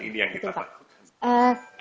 ini yang kita lakukan